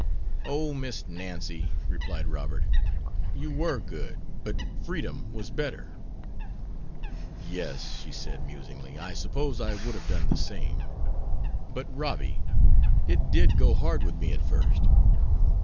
"Oh, Miss Nancy," replied Robert; "you were good, but freedom was better." "Yes," she said, musingly, "I suppose I would have done the same. But, Robby, it did go hard with me at first.